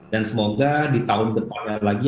semoga di tahun depannya lagi